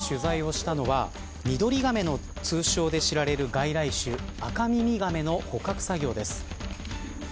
昨日めざまし８が取材をしたのはミドリガメの通称で知られる外来種アカミミガメの捕獲作業です。